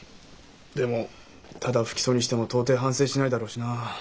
でもただ不起訴にしても到底反省しないだろうしなあ。